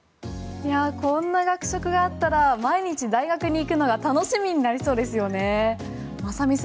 こんな学食があったら毎日大学に行くのが楽しみになりそうですよね。